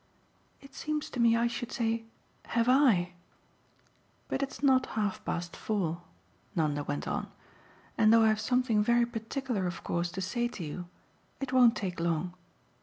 "It seems to me I should say 'Have I?' But it's not half past four," Nanda went on, "and though I've something very particular of course to say to you it won't take long.